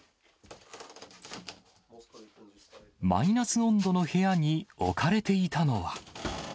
マイナス温度の部屋に置かれていたのは。